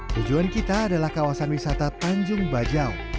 tujuan kita adalah kawasan wisata tanjung bajau